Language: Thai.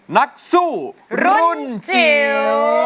นักสู้รุ่นจิ๋ว